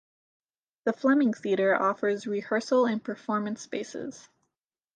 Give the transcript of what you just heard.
The Fleming Theatre offers rehearsal and performance spaces.